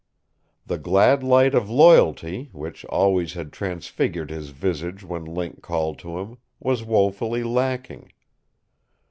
The glad light of loyalty, which always had transfigured his visage when Link called to him, was woefully lacking.